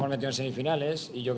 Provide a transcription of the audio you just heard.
bermain di bagian pada di selayang